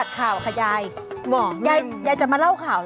ชื่อย่ายดาวชื่อย่ายดาวมาเล่าข่าว